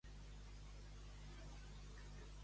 Un bescuit qualsevol se'l menja.